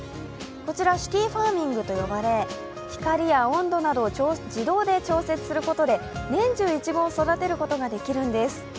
こちら、ＣｉｔｙＦａｒｍｉｎｇと呼ばれ光や温度などを自動で調節することで年中、いちごを育てることができるんです。